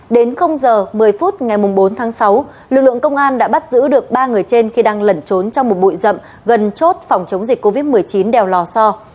đến giờ một mươi phút ngày bốn tháng sáu lực lượng công an đã bắt giữ được ba người trên khi đang lẩn trốn trong một bụi rậm gần chốt phòng chống dịch covid một mươi chín đèo lò so